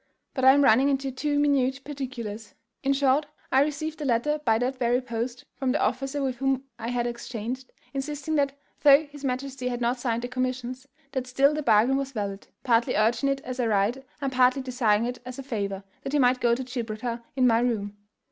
But I am running into too minute particulars. In short, I received a letter by that very post from the officer with whom I had exchanged, insisting that, though his majesty had not signed the commissions, that still the bargain was valid, partly urging it as a right, and partly desiring it as a favour, that he might go to Gibraltar in my room.